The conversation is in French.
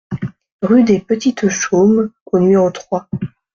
Rue des Petites Chaumes au numéro trois